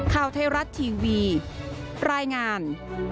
ข่าวไทยรัฐทีวีรายงาน